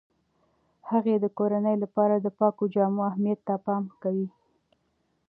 هغې د کورنۍ لپاره د پاکو جامو اهمیت ته پام کوي.